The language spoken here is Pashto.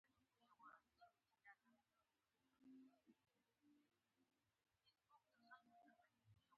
د نورو خلکو د عمل په غبرګون کې نه وي.